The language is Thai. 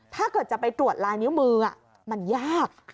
ถ้าเกิดจะไปตรวจลายนิ้วมือมันยาก